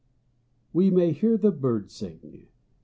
_ WE MAY HEAR THE BIRD SING.